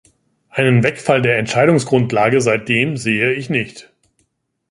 Einen Wegfall der Entscheidungsgrundlage seitdem sehe ich nicht.